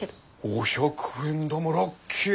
五百円玉ラッキー！